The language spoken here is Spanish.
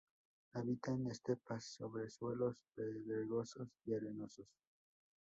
Habita en estepas sobre suelos pedregosos y arenosos.